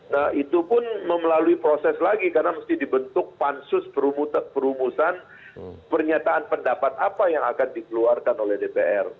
nah itu pun memelalui proses lagi karena mesti dibentuk pansus perumusan pernyataan pendapat apa yang akan dikeluarkan oleh dpr